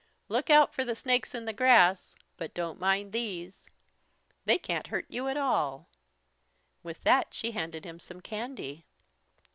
"Look out for the snakes in the grass, but don't mind these. They can't hurt you at all." With that she handed him some candy.